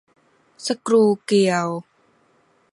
สกรูเกลียว